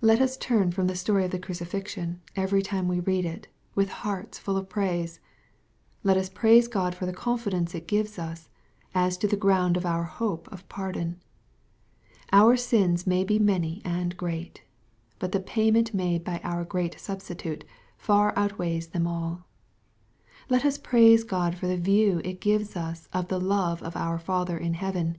Let us turn from the story of the crucifixion, every time we read it, with hearts full of praise. Let us praise God for the confidence it gives us, as to the ground of our hope of pardon. Our sins may be many and great, but the payment made by our Great Substitute far out weighs them all. — Let us praise God for the view it gives us of the love of our Father in heaven.